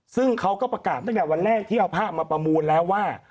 ซึ่งเขาก็ประกาศตั้งแต่วันแรกที่เอาภาพมาประมูลแล้วว่า